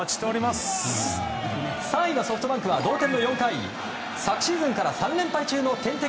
３位のソフトバンクは同点の４回昨シーズンから３連敗中の天敵